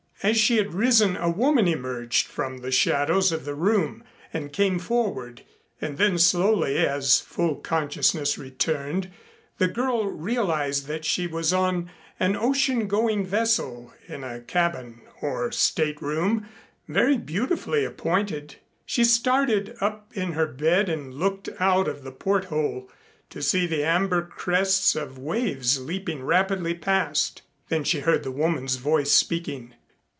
As she had risen a woman emerged from the shadows of the room and came forward. And then slowly, as full consciousness returned, the girl realized that she was on an ocean going vessel in a cabin or stateroom very beautifully appointed. She started up in her bed and looked out of the port hole to see the amber crests of waves leaping rapidly past. Then she heard the woman's voice speaking.